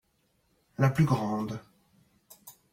la plus grande.